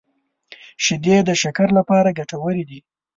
شیدې د شکر لپاره ګټورې دي